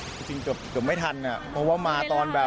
จริงเกือบไม่ทันอ่ะเพราะว่ามาตอนแบบ